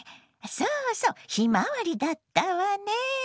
そうそう「ひまわり」だったわね。